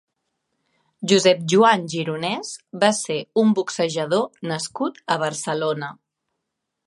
Josep Joan Gironès va ser un boxejador nascut a Barcelona.